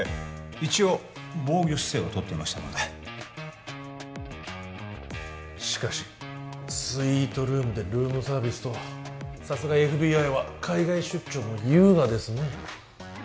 一応防御姿勢をとっていましたのでしかしスイートルームでルームサービスとはさすがＦＢＩは海外出張も優雅ですね